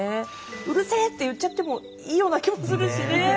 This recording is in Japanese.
「うるせえ！」って言っちゃってもいいような気もするしね。